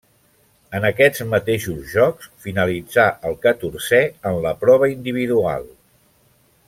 En aquests mateixos Jocs finalitzà el catorzè en la prova individual.